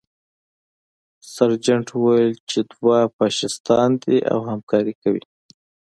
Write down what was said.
سرجنټ وویل چې دوی فاشیستان دي او همکاري کوي